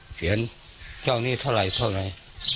เถียนเจ้านี้เท่าไรเท่าไร